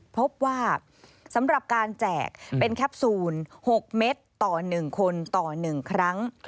พบว่าสำหรับการแจกเป็นแคปซูล๖เมตรต่อ๑คนต่อ๑ครั้ง